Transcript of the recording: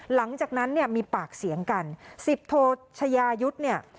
หลังจากนั้นเนี่ยมีปากเสียงกันสิบโทชยายุทธ์เนี่ย